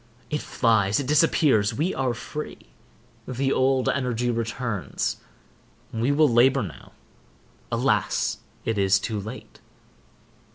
It flies—it disappears—we are free. The old energy returns. We will labor now. Alas, it is too late!